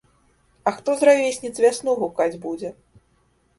А хто з равесніц вясну гукаць будзе?